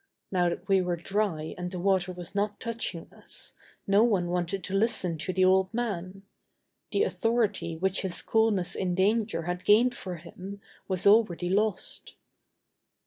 Now that we were dry and the water was not touching us, no one wanted to listen to the old man. The authority which his coolness in danger had gained for him was already lost.